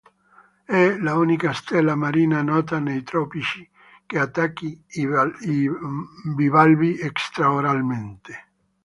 È l'unica stella marina nota nei tropici che attacchi i bivalvi extra-oralmente.